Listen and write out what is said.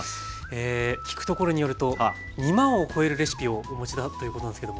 え聞くところによると２万を超えるレシピをお持ちだということなんですけども。